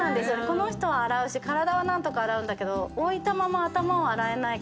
この人は洗うし体は何とか洗うんだけど。